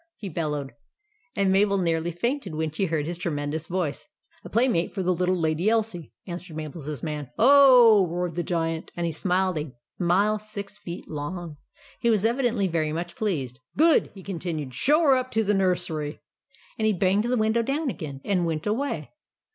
he bellowed; and Mabel nearly fainted when she heard his tremendous voice. "A playmate for the little Lady Elsie," answered Mabel's man. " OH !" roared the Giant ; and he smiled a smile six feet long. He was evidently very much pleased. "GOOD!" he continued. "SHOW HER UP TO THE NURSERY." And he banged the window down again and went away.